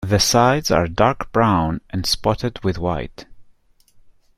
The sides are dark brown and spotted with white.